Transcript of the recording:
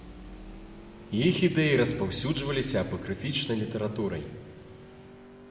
Іх ідэі распаўсюджваліся апакрыфічнай літаратурай.